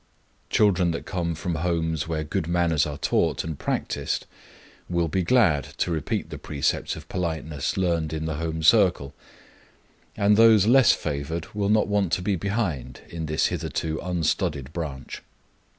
Children that come from homes where good manners are taught and practised, will be glad to repeat the precepts of politeness learned in the home circle; and those less favored will not want to be behind in this hitherto unstudied branch.